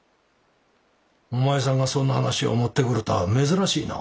お前さんがそんな話を持ってくるとは珍しいな。